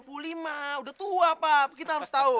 udah tua pak kita harus tahu